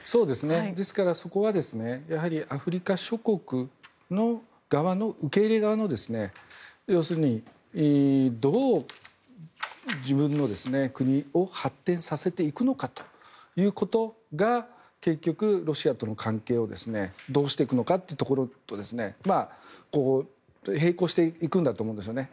ですから、そこはやはりアフリカ諸国の側の受け入れ側の要するに、どう自分の国を発展させていくのかということが結局、ロシアとの関係をどうしていくのかというところと並行していくんだと思うんですよね。